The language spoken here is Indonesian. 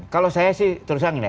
kalau saya sih terus terang ya